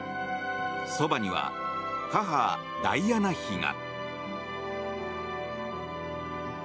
そばには、母ダイアナ妃が。